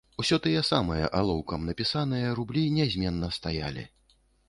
Усё тыя самыя, алоўкам напісаныя, рублі нязменна стаялі.